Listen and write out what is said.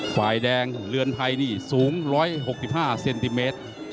ฝ่ายแดงเรือนไทยนี่สูง๑๖๕เซนติเมตร